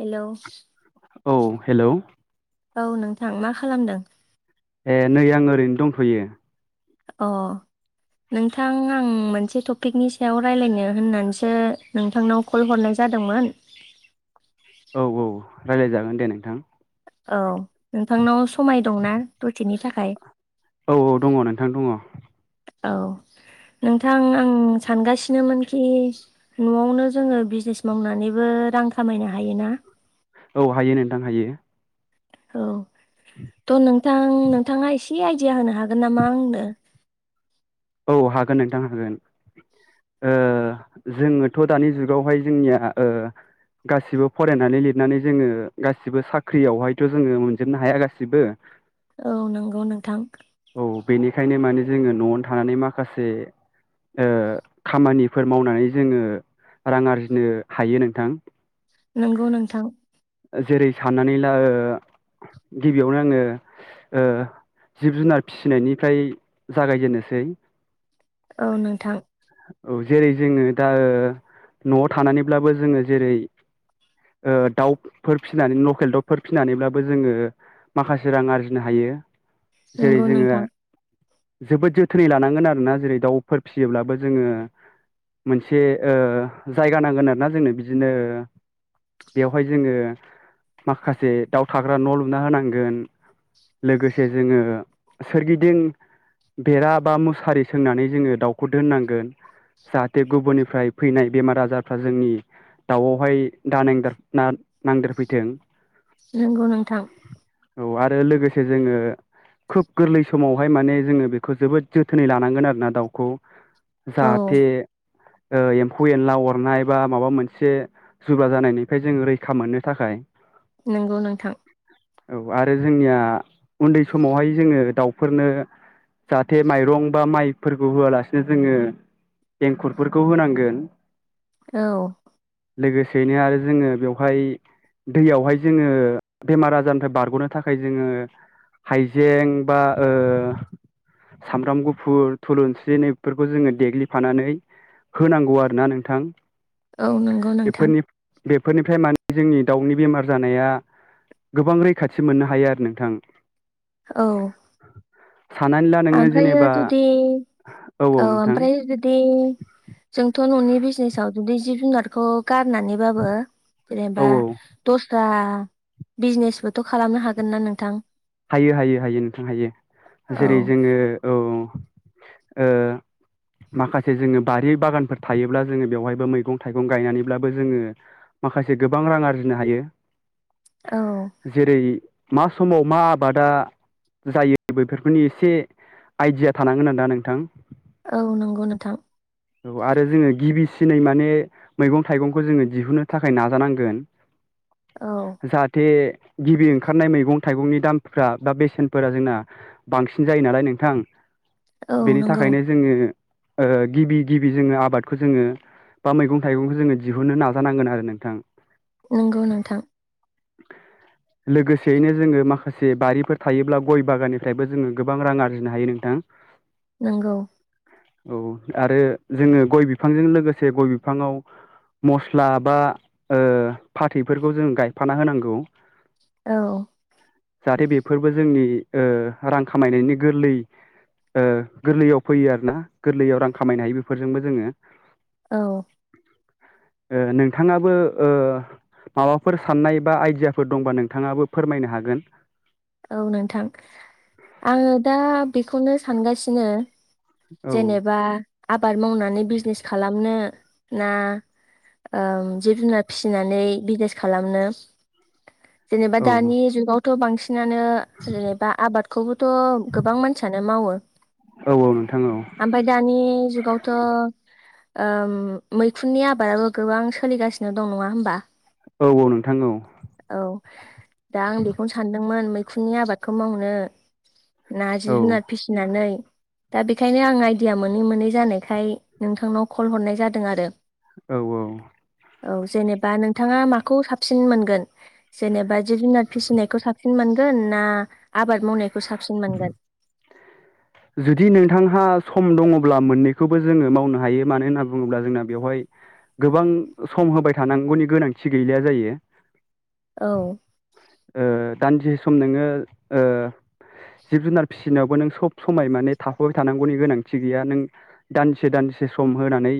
Hello औ hello. औ नोंथां मा खालामदों? ए नै आं ओरैनो दंथ'यो। अ। नोंथां आं मोनसे टपिकनि सायाव रायज्लायनो होननानैसो नोंथांनाव कल हरनाय ज जादोंमोन। औ औ राय्लायजागोन दे नोंथां। औ नोंथांनाव समाय दंना दसेनि थाखाय? औ औ दङ नोंथां दङ। औ। नोंथां आं सानगासिनोमोनखि न'आवनो जोङो बिजनेस मावनानैबो रां खामायनो हायोना। औ हायो नोंथां हायो। औ। थ' नोंथां नोंथाङा एसे आइडिया होनो हागोन नामा आंनो? औ हागोन नोंथां हागोन। जोङोथ' दानि जुगावहाय जोंनिया ओ गासिबो फरायनानै लिरनानै जोङो गासिबो साख्रियावहायथ' जोङो मोनजोबनो हाया गासिबो औ नंगौ नोंथां। औ बेनिखायनो माने जोङो न'आवनो थानानै माखासे ओ खामानिफोर मावनानै जोङो रां आरजिनो हायो नोंथां। नंगौ नोंथां। जेरै साननानै ला ओ गिबियावनो आङो जिब जुनार फिसिनायनिफ्राय जागायजेनोसै सै। औ नोंथां। औ जेरै जोङो दा न'आव थानानैब्लाबो जोङो, जेरै दाउफोर फिसिनानै लकेल दाउफोर फिसिनानैब्लाबो जोङो माखासे रां आरजिनो हायो। जेरै नंगौ जोङो नोंथां जोबोद जोथोनै लानांगोन आरोना जेरै दाउफोर फिसियोब्लाबो जोङो मोनसे जायगा नांगोन आरोना जोंनो बिदिनो बेवहाय जोङो माखासे दाउ थाग्रा न' लुना होनांगोन। लोगोसे जोङो सोरगिदिं बेरा बा मुसारि सोंनानै जोङो दाउखौ दोननांगोन जाहाथे गुबुननिफ्राय फैनाय बेमार आजारफ्रा जोंनि दाउआवहाय दा नांद नांदेरफैथों नंगौ नोंथां। औ आरो लोगोसे जोङो खोब गोरलै समावहाय माने जोङो बेखौ जोबोद जोथोनै लानांगोन आरोना दाउखौ औ जाहाथे एम्फौ एनला अरनाय बा माबा मोनसे जुब्रा जानायनिफ्राय जोङो रैखा मोननो थाखाय नंगौ नोंथां। औ आरो जोंनिया उन्दै समावहाय जोङो दाउफोरनो जाहाथे माइरं बा माइफोरखौ होआलासिनो जोङो एंखुरफोरखौ होनांगोन औ लोगोसेयैनो आरो जोङो बेवहाय दैयावहाय जोङो बेमार आजारनिफ्राय बारग'नो थाखाय जोङो हाइजें बा ओ सामब्राम गुफुर थुलुंसिफोरखौ जोङो देग्लिफानानै होनांगौ आरोना नोंथां। औ नंगौ नोंथां। बेफोरनि बेफोरनिफ्राय माने जोंनि दाउनि बेमार जानाया गोबां रैखाथि मोननो हायो आरो नोंथां। औ साननानै ला नोङो ओमफ्र जेनेबा जुदि औ ओमफ्राय जुदि जोंथ' न'नि बिजनेज आव जुदि जिब जुनारखौ गारनानैबाबो औ जेनेबा औ दस बरा बिजनेसबोथ' खालामनो हागोन ना नोंथां? हायो हायो हायो नोंथां हायो औ जेरै जोङो औ ओं ओ माखासे जोङो बारि बागानफोर थायोब्ला जोङो बेवहायबो मैगं थाइगं गायनानैब्लाबो जोङो माखासे गोबां रां आरजिनो हायो। औ जेरै मा समाव मा आबादा जायो बेफोरनि एसे आइडिया थानांगोन आरोना नोंथां। औ नंगौ नोंथां औ आरो जोङो गिबि सिनै माने मैगं-थाइगंखौ जोङो दिहुनो थाखाय नाजानांगोन। औ जाहाथे गिबि ओंखारनाय मैगं-थाइगंनि दाम फ्रा बा बेसेनफोरा जोंना बांसिन जायो नालाय नोंथां। औ बेनि नंगौ थाखायनो जोङो ओ गिबि गिबि जोङो आबादखौ जोङो बा मैगं-थाइगंखौ जोङो दिहुनो नाजानांगोन आरो नोंथां। नंगौ नोंथां। लोगोसेयैनो जोङो मा खासे बारिफोर थायोब्ला गय बागाननिफ्रायबो जोङो गोबां रां आरजिनो हायो नोंथां। नोंगौ। औ आरो जोङो गय बिफांजों लोगोसे गय बिफाङाव मस्ला बा ओ फाथैफोरखौ जों गायफाना होनांगौ। औ जाहाथे बेफोरबो जोंनि ओ रां खामायनायनि गोरलै ओ गोरलैयाव फैयो आरोना गोरलैयाव रां खामायनो हायो बेफोरजोंबो जोङो। औ ओ नोंथाङाबो ओ माबाफोर साननाय बा आइडियाफोर दंबा नोंथाङाबो फोरमायनो हागोन। औ नोंथां आङो दा बेखौनो सानगासिनो औ जेनेबा आबाद मावनानै बिजनेस खालामनो ना ओ जिब जुनार फिसिनानै बिजनेस खालामनो? जेनेबा औ दानि जुगावथ' बांसिन नानो जेनेबा आबादखौबोथ' गोबां मानसियानो माव औ नोंथां औ ओमफफ्राय दानि जुगावथ' ओ मैखुननि आबादाबो गोबां सोलिगासिनो दं नङा होमबा? औ औ नोंथां औ। औ दा आं बेखौनो सानदोंमोन मैखुननि आबादखौ मावनो ना जि औ जुनार फिसिनानै दा बेखायनो आं आइडिया मोनै मोनै जानायखाय नोंथांनाव कल हरनाय जादों आरो। औ औ। औ जेनेबा नोंथाङा माखौ साबसिन मोनगोन जेनेबा जिब जुनार फिसिनायखौ साब सिन मोनगोन ना आबाद मावनायखौ साबसिन मोनगोन? जुदि नोंथांहा सम दङब्ला मोननैखोबो जोङो मावनो हायो मानो होनना बुङोब्ला जोंना बेवहाय गोबां सम होबाय थानांगौनि गोनांथि गैलाया जायो। औ ओ दान्दिसे सम नोङो ओ जिब जुनार फिसिनायावबो नों सब समाय माने थाफाबाय थानांगौनि गोनांथि गैया नों दानदिसे दानदिसे सम होनानै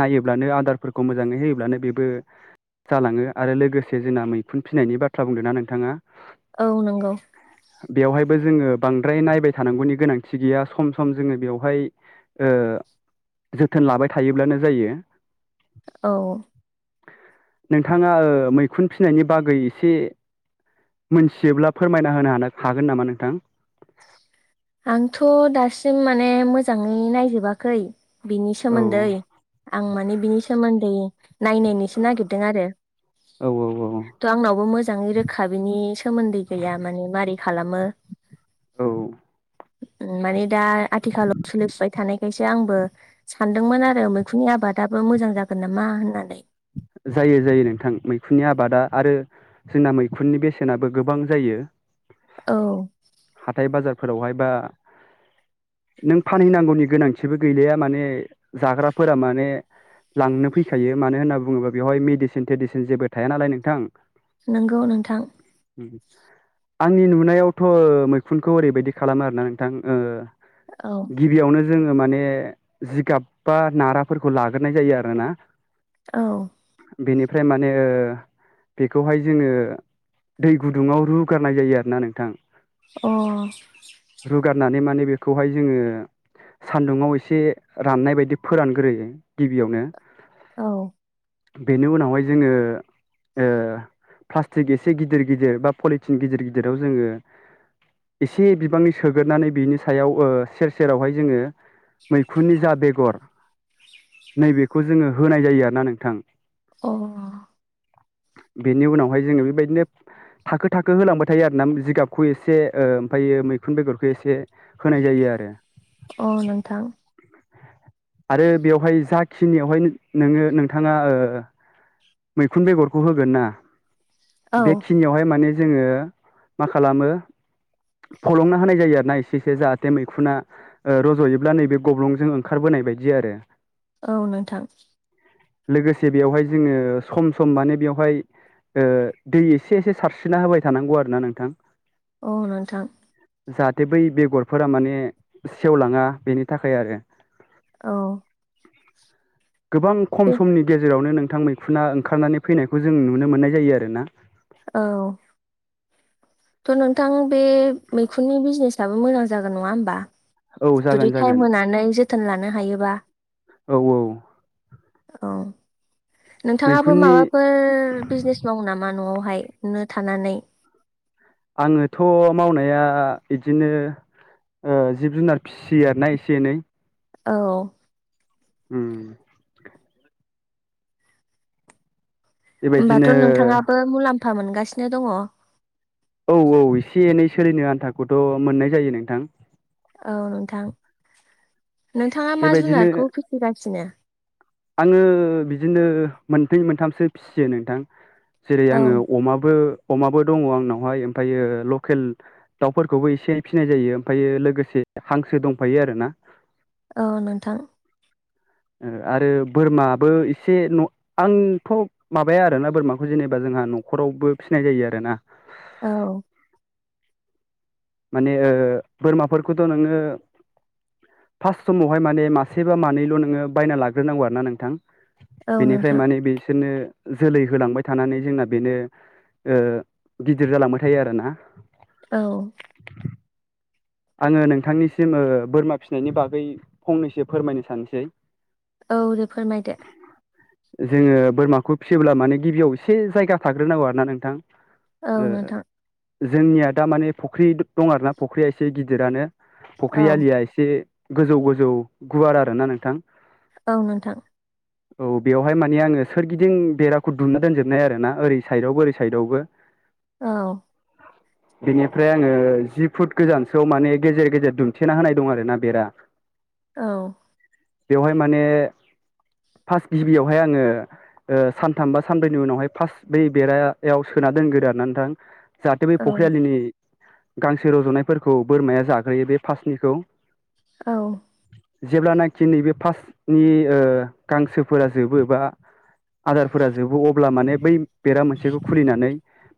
नायोब्ला नो आदारफोरखौ मोजाङै होयोब्लानो बेबो जालाङो आरो लोगोसे जोंना मैखुन फिनायनि बाथ्रा बुंदों ना नोंथाङा औ नंगौ बेवहायबो जोङो बांद्राय नायबाय थानांगौनि गोनां थि गैया सम सम जोङो बेवहाय ओ जोथोन लाबाय थायोब्लानो जायो। औ नोंथाङा ओ मैखुन फिसिनायनि बागै एसे मोनथियोब्ला फोरमायना होनो हानो हागोन नामा नोंथां? आंथ' दासिम माने मोजाङै नायजोबाखै बिनि औ सोमोन्दै आं माने बिनि सोमोन दै नायनायनोसो नागिरदों आरो। औ औ औ थ' आंनावबो मोजाङै रोखा बिनि सोमोन्दै गैया माने मारै खालामो। औ उम माने दा आथिखालाव सोलिफुबाय थानायखायसो आंबो सानदोंमोन आरो मैखुननि आबाद आबादाबो मोजां जागोन नामा होननानै। जायो जायो नोंथां मैखुननि आबादा आरो जोंना मैखुननि बेसेनाबो गोबां जायो। औ हाथाय बाजारफोरावहाय बा नों फानहैनांगौनि गोनांथिबो गैलाया माने जाग्राफोरा माने लांनो फैखायो मानो होनना बुङोबा बेवहाय मेडिसेन थेदिसेन जेबो थाया नालाय नोंथां। नोंगौ नोंथां। उम आंनि नुनायावथ' मैखुनखौ ओरैबायदि खालामो आरोना नोंथां ओ औ गिबियावनो जोङो माने जिगाब बा नाराफोरखौ लाग्रोनाय जायो आरोना औ बेनिफ्राय माने ओ बेखौहाय जोङो दै गुदुङाव रुगारनाय जायो आरोना नोंथां। अ रुगारनानै माने बेखौहाय जोङो सान्दुङाव एसे राननाय बायदि फोरानग्रोयो गिबियावनो। औ बेनि उनावहाय जोङो ओ प्लास्टिक एसे गिदिर गिदिर बा पलिटिन गिदिर गिदिराव जोङो एसे बिबांनि सोगोरनानै बिनि सायाव ओ सेर सेरावहाय जोङो मैखुननि जा बेगर नै बेखौ जोङो होनाय जायो आरोना नोंथां। अ बेनि उनावहाय जोङो बेबायदिनो थाखो थाखो होलांबाय थायो आरोना जिगाबखौ एसे ओ ओमफायो मैखुन बेगरखौ एसे होनाय जायो आरो। अ नोंथां आरो बेयावहाय जाखिनियावहाय नोङो नोंथाङा ओ मैखुन बेगरखौ होगोन ना औ बेखिनियावहाय माने जोङो मा खालामो फलंना होनाय जायो आरोना एसे एसे जाहाथे मैखुना रज'योब्ला नैबे गब्लंजों ओंखारबोनाय बायदि बिदि आरो औ नोंथां लोगोसे बेवहाय जोङो सम सम माने बेवहाय दै एसे एसे सारस्रिना होबाय थानांगौ आरो ना नोंथां औ नोंथां जाहाथे बै बेगरफोरा माने सेवलाङा बेनि थाखाय आरो औ। गोबां खम बे समनि गेजेरावनो नों थां मैखुना ओंखारनानै फैनायखौ जों नुनो मोननाय जायो आरो ना। औ‌। थ नोंथां बे मैखुननि बिजनेसाबबो मोजां जागोन नङा होमबा? औ जागोन जुदि जागोन टाइम होनानै जोथोन लानो हायोबा। औ औ औ। नोंथाङाबो मैखुननि माबाफोर बिजनेस मावो नामा नआवहायनो थानानै? आङो थ मावनाया इदिनो ओ जिब जुनार फिसियो आरोना एसे एनै। औ। उम। होमबाथ बेबायदिनो नोंथाङाबो मुलाम्फा मोनगासिनो दङ? औ औ एसे एनै सोलिनो आन्थाखौथ मोननाय जायो नोंथां। औ नोंथां नोंथाङा मा बेबायदिनो जुनारखौ फिसिगासिनो? आङो बिदिनो मोनथै मोनथामसो फिसियो नोंथां। जेरै औ आङो अमाबो अमाबो दङ आंनावहाय ओमफायो लकेल दाउफोरखौबो एसे फिसिनाय जायो ओमफायो लोगोसे हांसो दंफायो आरोना अ नोंथां। ओ आरो बोरमाबो एसे न आंथ माबाया आरोना बोरमाखौ जेनेबा जों जोंहा नखरावबो फिसिनाय जायो आरो ना‌। औ माने ओ बोरमाफोरखौथ नोङो फार्स्ट समावहाय माने मासेबा मानैल नोङो बायना लाग्रोनांगौ आरोना नोंथां। औ बेनिफ्राय नोंथां माने बैसोनो जोलै होलांबाय थानानै जोंना बेनो ओ गिदिर जालांबाय थायो आरोना। औ। आङो नोंथांनिसिम ओ बोरमा फिसिनायनि बागै फंनैसो फोरमायनो सानसै औ दे फोरमायदो। जोङो बोरमाखौ फिसियोब्ला माने गिबियाव एसे जायगा थाग्रोनांगौ आरो ना नोंथां। औ ओ नोंथां। जोंनिया दा माने फख्रि दं आरो ना फुख्रिया एसे गिदिरानो औ फुख्रि आलिया एसे गोजौ गोजौ गुवार आरोना नोंथां। औ नोंथां। औ बेवहाय माने आङो सोरगिदिं बेराखौ दुमना दोनजोबनाय आरोना ओरै साइडआवबो ओरै साइडआवबो। औ। बेनिफ्राय आङो जि फुट गोजानसोआव माने गेजेर गेजेर दुमथेना होनाय दं आरोना बेरा। औ। बेवहाय माने फार्स्ट गिबियावहाय आङो ओ सानथाम बा सानब्रैनि उनावहाय फार्स्ट बै बेरायाव सोना दोनगोरो आरो ना नोंथां‌। जाहाथे बै औ फख्रि आलिनि गांसे रजनायफोरखौ बोरमाया जाग्रोयो बे फासनिखौ। औ। जेब्लानाखि नैबे फार्टनि ओ गांसोफोरा जोबो बा आदारफोरा जोबो अब्ला माने बै बेरा मोनसेखौ खुलिनानै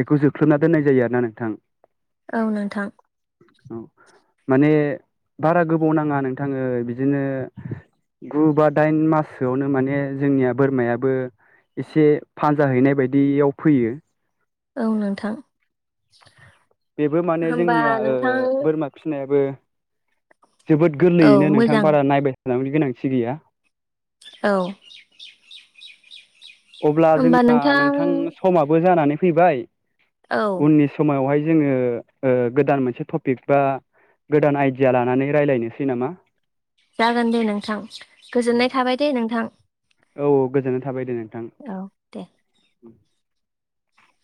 बेखौ जोख्लोबना दोननाय जायो आरोना नोंथां। औ नोंथां। औ माने बारा गोबाव नाङा नोंथाङो बिदिनो गु बा दाइन माससोआवनो माने जोंनिया बोरमायाबो एसे फानजा हैनाय बायदियाव फैयो। औ नोंथां। बेबो माने होमबा जोंनिया नोंथां बोरमा फिसिनायाबो जोबोद औ गोरलैयैनो नोंथां मोजां बारा नायबाय थानांगौनि गोनांथि गैया। औ अब्ला जोंना नोंथां समाबो जानानै फैबाय औ उननि समावहाय जोङो गोदान मोनसे टपिक बा गोदान आइडिया लानानै रायज्लायनोसै नामा? जागोन दे नोंथां गोजोननाय थाबाय दे नोंथां। औ गोजोननाय थाबाय दोडो। औ दे। [inaudible]